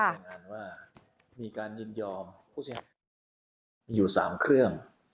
รายงานว่ามีการยินยอมผู้เสียหายอยู่๓เครื่อง